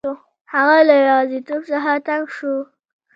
هغه له یوازیتوب څخه تنګ شو.